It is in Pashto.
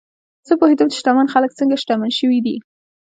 زه پوهېدم چې شتمن خلک څنګه شتمن شوي دي.